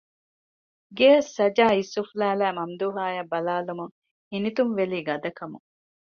ގެއަށް ސަޖާ އިސްއުފުލާލައި މަމްދޫހާއަށް ބަލާލަމުން ހިނިތުންވެލީ ގަދަކަމުން